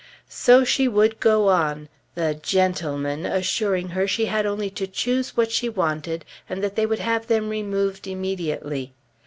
So she would go on, the "gentlemen" assuring her she had only to choose what she wanted, and that they would have them removed immediately.